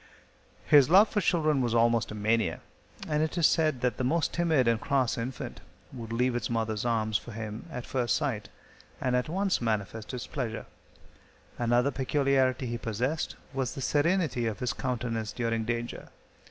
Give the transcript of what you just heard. His love for children was almost a mania, and it is said that the most timid and cross infant would leave its mother's arms for him at first sight, and at once manifest its pleasure. Another peculiarity he possessed was the serenity of his countenance during danger.